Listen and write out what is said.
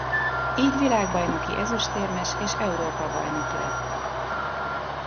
Így világbajnoki ezüstérmes és Európa-bajnok lett.